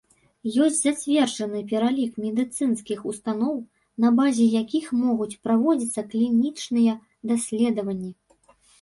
Ёсць зацверджаны пералік медыцынскіх устаноў, на базе якіх могуць праводзіцца клінічныя даследаванні.